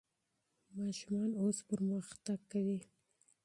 ماشومان اوس پرمختګ کوي.